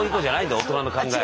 大人の考え。